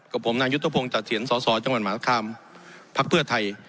กับผมนางยุตโภงจากเถียนสสจังหวัดหมาศครามพักเพื่อไทย